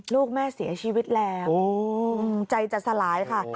ลูกแม่เสียชีวิตแล้วใจจะสลายค่ะ